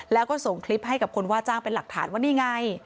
แล้วก็ส่งคลิปให้กับคนว่าจ้างเป็นหลักฐานว่านี่ไง